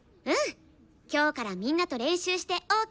今日からみんなと練習してＯＫです！